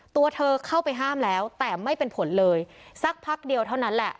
ตัวเธอเข้าไปห้ามแล้วแต่ไม่เป็นผลเลยสักพักเดียวเท่านั้นแหละ